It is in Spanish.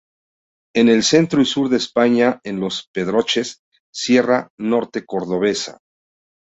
En el centro y sur de España en Los Pedroches, Sierra Norte cordobesa.